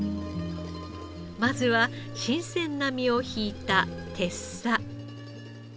まずは新鮮な身を引いたてっさ。